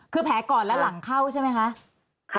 คือแผลก่อนแล้วหลังเข้าใช่ไหมคะ